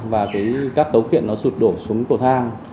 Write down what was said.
và cái các tấu khiện nó sụt đổ xuống cầu thang